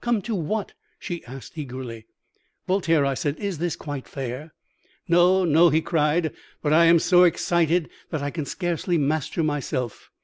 "'Come to what?' she asked eagerly. "'Voltaire,' I said, 'is this quite fair?' "'No, no!' he cried; 'but I am so excited that I can scarcely master myself.